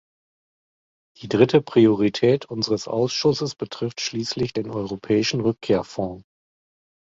Die dritte Priorität unseres Ausschusses betrifft schließlich den Europäischen Rückkehrfond.